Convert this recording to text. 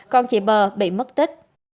còn chị pê bị mất tích